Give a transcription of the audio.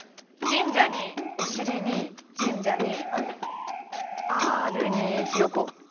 神社におしりに神社にアールにひよこ？。